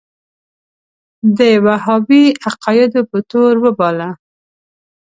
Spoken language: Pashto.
د وهابي عقایدو په تور وباله.